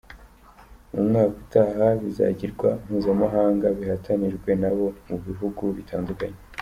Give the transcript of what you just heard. Mu mwaka utaha bizagirwa mpuzamahanga bihatanirwe n’abo mu bihugu bitandukanye.